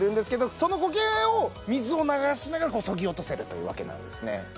そのこけを水を流しながらそぎ落とせるというわけなんですね